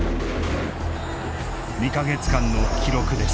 ２か月間の記録です。